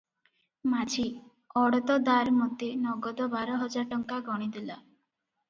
ମାଝି- ଅଡ଼ତଦାର ମତେ ନଗଦ ବାରହଜାର ଟଙ୍କା ଗଣିଦେଲା ।